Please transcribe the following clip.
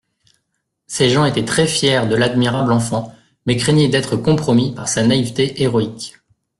Ces gens étaient très-fiers de l'admirable enfant, mais craignaient d'être compromis par sa naïveté héroïque.